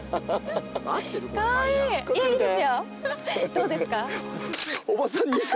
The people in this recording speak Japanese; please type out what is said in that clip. どうですか？